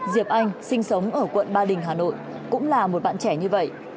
diệp anh sinh sống ở quận ba đình hà nội cũng là một bạn trẻ như vậy